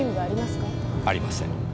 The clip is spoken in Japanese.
ありません。